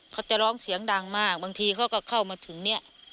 เขาจะร้องเสียงดังมากบางทีเขาก็เข้ามาถึงเนี่ย